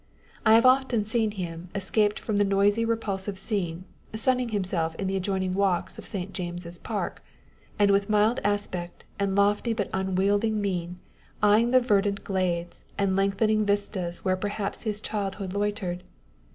I have often seen him, escaped from the noisy repulsive scene, sunning himself in the adjoining walks of St. James's Park, and with mild aspect, and lofty but unwieldy mien, eyeing the verdant glades and lengthening vistas where perhaps his child hood loitered.